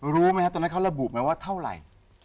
รู้ไหมครับตอนนั้นเขาระบุไหมว่าเท่าไหร่